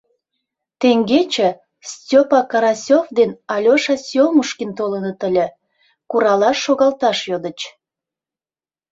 Теҥгече Стёпа Карасёв ден Алёша Сёмушкин толыныт ыле, куралаш шогалташ йодыч.